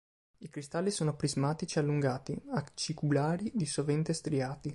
I cristalli sono prismatici allungati, aciculari, di sovente striati.